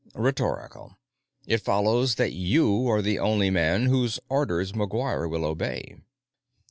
"Rhetorical. It follows that you are the only man whose orders McGuire will obey."